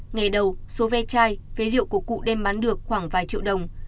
ngày đầu số ve chai phế liệu của cụ đem bán được khoảng vài triệu đồng